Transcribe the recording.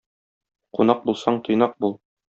Кунак булсаң, тыйнак бул.